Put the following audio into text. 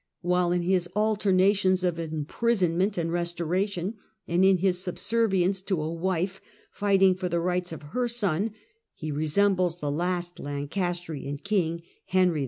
while in his alternations of imprisonment and restoration, and in his subservience to a wife fighting for the rights of her son, he resembles the last Lancastrian king, Henry VI.